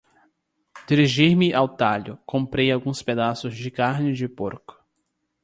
Dirigi-me ao talho. Comprei alguns pedaços de carne de porco.